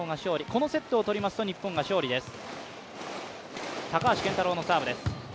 このセットを取りますと日本が勝利です。